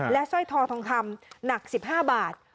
สร้อยทอทองคำหนัก๑๕บาท